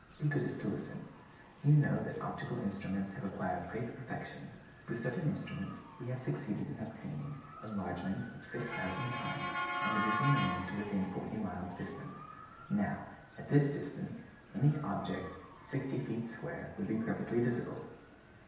Be so good as to listen. You know that optical instruments have acquired great perfection; with certain instruments we have succeeded in obtaining enlargements of 6,000 times and reducing the moon to within forty miles' distance. Now, at this distance, any objects sixty feet square would be perfectly visible.